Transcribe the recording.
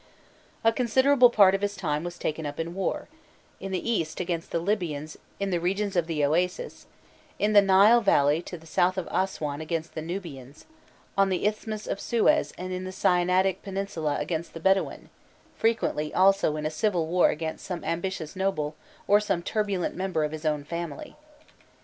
A considerable part of his time was taken up in war in the east, against the Libyans in the regions of the Oasis; in the Nile Valley to the south of Aswan against the Nubians; on the Isthmus of Suez and in the Sinaitic Peninsula against the Bedouin; frequently also in a civil war against some ambitious noble or some turbulent member of his own family.